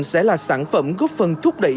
sẽ là sản phẩm góp phần thúc đẩy